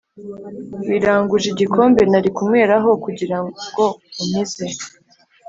Wiranguje igikombe nari kunyweraho kugirango unkize